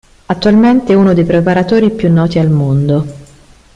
Attualmente è uno dei preparatori più noti al mondo.